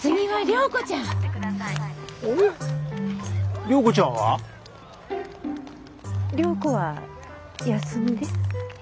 良子は休みで。